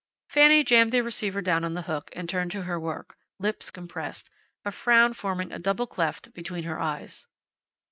Fanny jammed the receiver down on the hook and turned to her work, lips compressed, a frown forming a double cleft between her eyes.